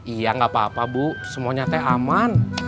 iya nggak apa apa bu semuanya teh aman